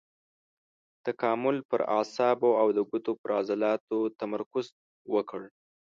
تکامل پر اعصابو او د ګوتو پر عضلاتو تمرکز وکړ.